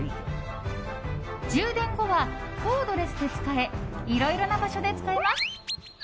充電後はコードレスで使えいろいろな場所で使えます。